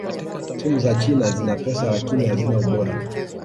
timu za china zina pesa lakini hazina ubora